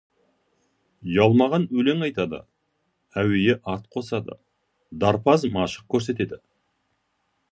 ұялмаған өлең айтады, әуейі ат қосады, дарпаз машық көрсетеді.